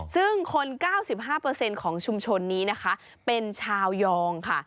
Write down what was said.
ซึ่งคน๙๕เปอร์เซ็นต์ของชุมชนเป็นชาวยอง